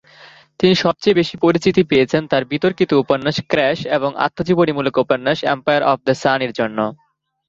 তিনি সবচেয়ে বেশি পরিচিতি পেয়েছেন তার বিতর্কিত উপন্যাস "ক্র্যাশ" এবং আত্মজীবনীমূলক উপন্যাস এম্পায়ার অফ দ্য সান-এর জন্য।